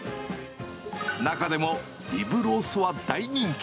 中でもリブロースは大人気。